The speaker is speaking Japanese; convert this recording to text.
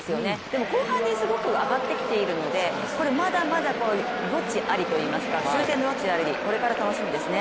でも後半にすごく上がってきているのでこれまだまだ余地ありといいますか修正の余地あり、これから楽しみですね。